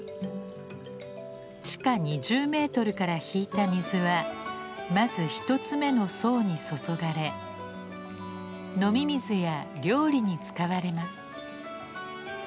地下２０ｍから引いた水はまず一つ目の槽に注がれ飲み水や料理に使われます。